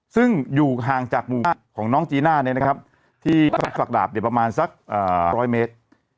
ซึ่งอยู่ห่างจากบูน่าของน้องจีน่าเนี่ยนะครับที่ฝากดาบเนี่ยประมาณสัก๑๐๐เมตร